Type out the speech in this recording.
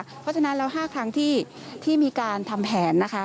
เพราะฉะนั้นแล้ว๕ครั้งที่มีการทำแผนนะคะ